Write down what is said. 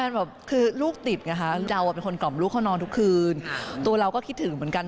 แบบคือลูกติดไงคะเราเป็นคนกล่อมลูกเขานอนทุกคืนตัวเราก็คิดถึงเหมือนกัน